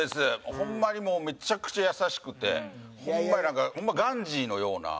ホンマにもうめちゃくちゃ優しくてホンマになんかガンジーのような。